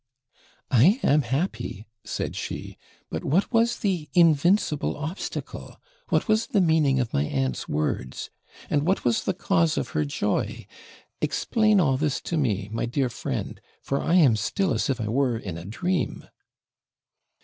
'I am happy,' said she; 'but what was the INVINCIBLE OBSTACLE? what was the meaning of my aunt's words? and what was the cause of her joy? Explain all this to me, my dear friend; for I am still as if I were in a dream.'